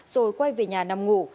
rồi quay về nhà nằm ngủ